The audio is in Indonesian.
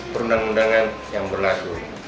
perundang undangan yang berlaku